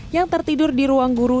yang tertidur di ruang guru